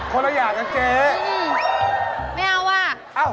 คนละอย่างนะเจ๊ไม่เอา